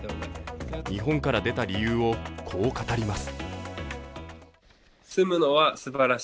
日本から出た理由をこう語ります。